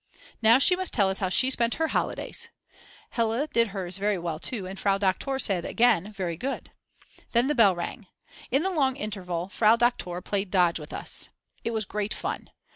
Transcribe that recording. Now she must tell us how she spent her holidays. Hella did hers very well too and Frau Doktor said again, very good. Then the bell rang. In the long interval Frau Doktor played dodge with us. It was great fun.